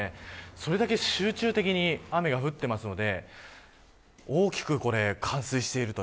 それだけ集中的に雨が降っていますので大きく冠水していると。